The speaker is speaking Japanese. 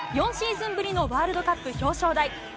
４シーズンぶりのワールドカップ表彰台。